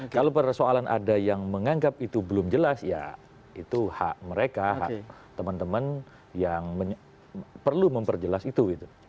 kalau persoalan ada yang menganggap itu belum jelas ya itu hak mereka hak teman teman yang perlu memperjelas itu